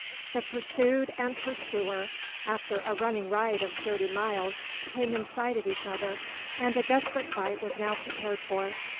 The pursued and pursuer, after a running ride of thirty miles, came in sight of each other, and a desperate fight was now prepared for.